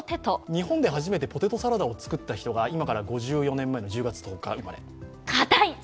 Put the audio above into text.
日本で初めてポテトサラダを作った日が今から５４年前の１０月１０日生まれ。